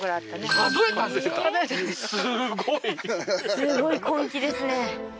すごいすごい根気ですね